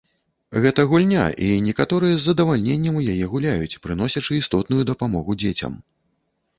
Гэта гульня, і некаторыя з задавальненнем у яе гуляюць, прыносячы істотную дапамогу дзецям.